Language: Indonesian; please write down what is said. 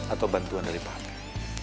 atau bantuan dari papi